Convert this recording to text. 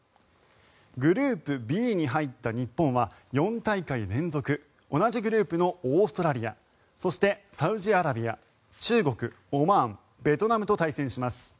グループＢに入った日本は４大会連続同じグループのオーストラリアそして、サウジアラビア中国、オマーンベトナムと対戦します。